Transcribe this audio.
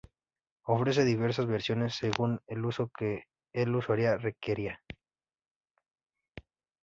Ofrece diversas versiones según el uso que el usuario requiera.